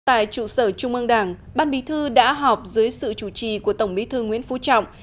tại trụ sở trung ương đảng ban bí thư đã họp dưới sự chủ trì của tổng bí thư nguyễn phú trọng